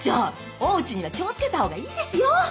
大内には気をつけたほうがいいですよ。